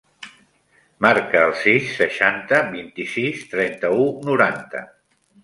Marca el sis, seixanta, vint-i-sis, trenta-u, noranta.